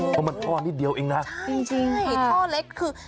โอ้โหมันทอดนิดเดียวเองนะใช่ท่อเล็กคือ